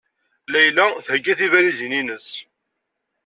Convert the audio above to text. Layla theyya tibalizin-nnes.